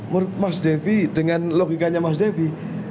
menurut mas daffy dengan logikanya mas daffy